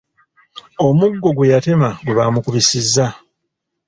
Omuggo gwe yatema gwe bamukubisizza.